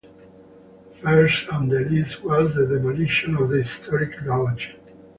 First on the list was the demolition of the historic lodge.